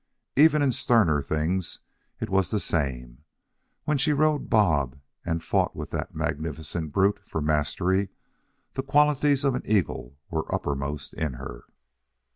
Even in sterner things it was the same. When she rode Bob and fought with that magnificent brute for mastery, the qualities of an eagle were uppermost in her.